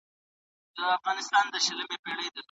افغان حکومت د ډیپلوماتیکو کارکوونکو د مصونیت پایمالول نه مني.